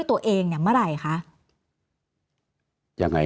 ตั้งแต่เริ่มมีเรื่องแล้ว